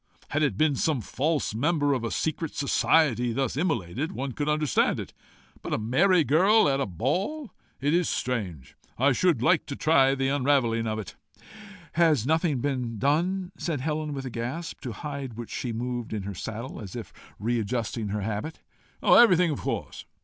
Had it been some false member of a secret society thus immolated, one could understand it. But a merry girl at a ball! it IS strange! I SHOULD like to try the unravelling of it." "Has nothing then been done?" said Helen with a gasp, to hide which she moved in her saddle, as if readjusting her habit. "Oh, everything of course.